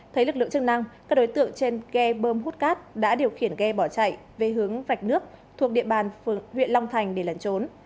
thấy lực lượng chức năng các đối tượng trên ghe bơm hút cát đã điều khiển ghe bỏ chạy về hướng vạch nước thuộc địa bàn huyện long thành để lần trốn